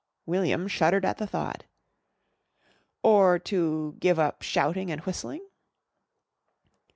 William shuddered at the thought. "Or to give up shouting and whistling."